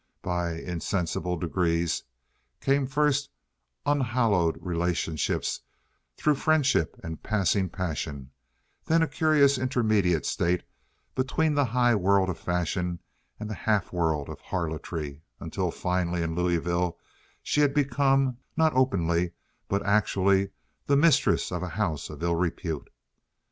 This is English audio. By insensible degrees came first unhallowed relationships through friendship and passing passion, then a curious intermediate state between the high world of fashion and the half world of harlotry, until, finally, in Louisville, she had become, not openly, but actually, the mistress of a house of ill repute.